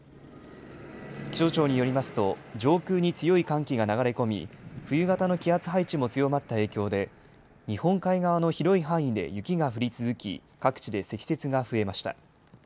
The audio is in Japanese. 気象庁によりますと、上空に強い寒気が流れ込み、冬型の気圧配置も強まった影響で、日本海側の広い範囲で雪が降り続き、各地で積雪が増えました。